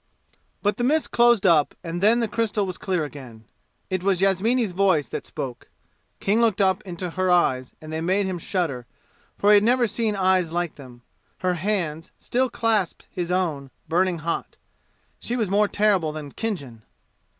But the mist closed up and then the crystal was clear again. It was Yasmini's voice that spoke, King looked up into her eyes, and they made him shudder, for he had never seen eyes like them. Her hands still clasped his own, burning hot. She was more terrible than Khinjan.